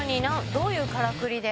どういうからくりで。